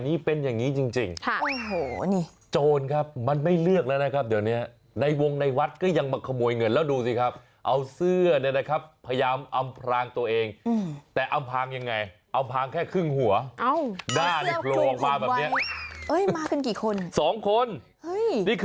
ไม่ได้ใจซามหนึ่งเดียวใจบาปด้วยไปขโมยเงินวัด